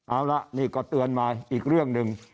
เอาละนี่ก็เตือนมาอีกเรื่องหนึ่ง